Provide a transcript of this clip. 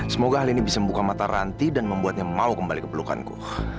semoga hal ini bisa membuka mata ranti dan membuatnya mau kembali ke pelukanku